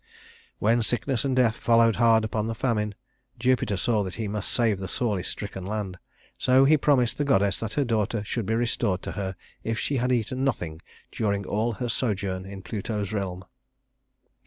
When sickness and death followed hard upon the famine, Jupiter saw that he must save the sorely stricken land, so he promised the goddess that her daughter should be restored to her if she had eaten nothing during all her sojourn in Pluto's realm.